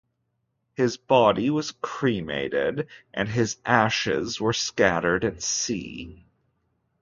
His body was cremated and his ashes were scattered at sea.